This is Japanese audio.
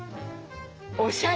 おしゃれ！